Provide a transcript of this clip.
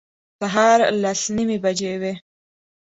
سهار لس نیمې بجې وې.